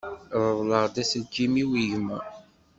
Reḍleɣ aselkim-iw i gma.